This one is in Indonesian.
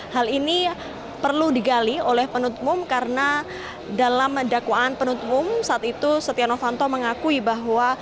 hal ini perlu digali oleh penutupmu karena dalam dakwaan penutupmu saat itu setia novanto mengakui bahwa